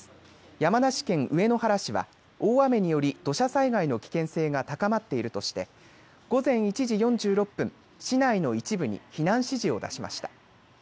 山梨県上野原市は大雨により土砂災害の危険性が高まっているとして午前１時４６分、市内の一部に避難指示を出しました。